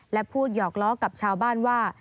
และพูดหยอกล้อกับชาวบ้านว่า